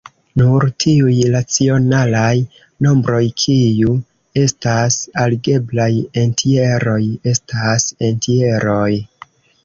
Nur tiuj racionalaj nombroj kiu estas algebraj entjeroj estas entjeroj.